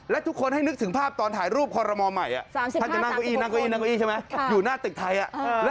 หมอนูลุงป้องลุงป้องมีภาพไหมมีภาพไหม